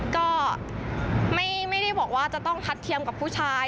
ก็ไม่ได้บอกว่าจะต้องทัดเทียมกับผู้ชาย